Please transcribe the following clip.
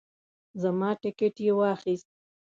زما ټیکټ یې واخیست.